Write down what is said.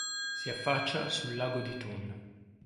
Si affaccia sul Lago di Thun.